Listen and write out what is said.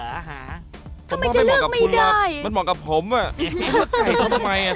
ทำไมจะเลือกไม่ได้มันเหมาะกับผมอ่ะทำไมจะเลือกไม่ได้